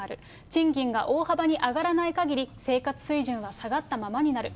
賃金が大幅に上がらないかぎり、生活水準は下がったままになる。